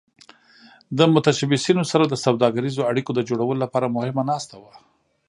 د متشبثینو سره د سوداګریزو اړیکو د جوړولو لپاره مهمه ناسته وه.